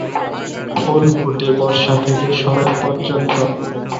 ফুল ফোটে বর্ষা থেকে শরৎ পর্যন্ত।